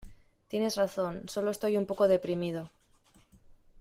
Tienes razón, sólo estoy un poco deprimido.